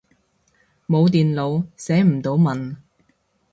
冇電腦，寫唔到文